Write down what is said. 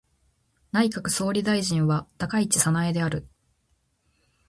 内閣総理大臣は高市早苗である。